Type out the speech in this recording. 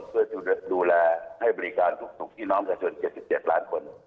เพื่อดูแลให้บริการทุกพี่น้องประชาชน๗๗ล้านคน